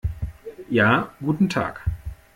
Ja, guten Tag!